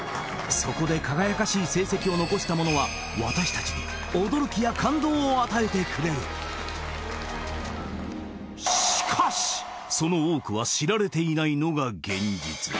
そこで輝かしい成績を残した者は私達に驚きや感動を与えてくれるしかしその多くは知られていないのが現実